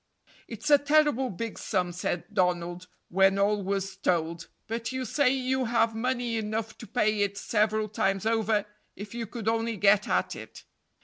"It's a terrible big sum," said Donald, when all was told, "but you say you have money enough to pay it several times over if you could only get at it."